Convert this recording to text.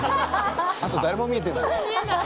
あと誰も見えてない。